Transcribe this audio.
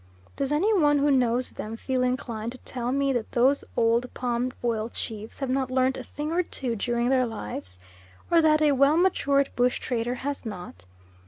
Does any one who knows them feel inclined to tell me that those old palm oil chiefs have not learnt a thing or two during their lives? or that a well matured bush trader has not?